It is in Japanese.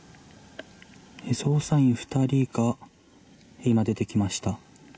捜査員２人が今、出てきました。